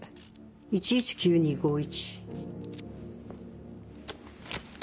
１１９２５１。